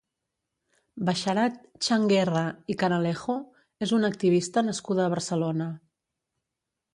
Basharat Changuerra i Canalejo és una activista nascuda a Barcelona.